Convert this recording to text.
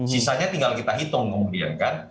sisanya tinggal kita hitung kemudian kan